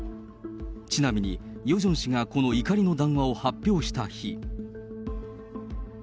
ちなみに、ヨジョン氏がこの怒りの談話を発表した日。